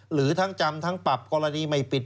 หรือทั้งจำทั้งปรับกรณีไม่ปิด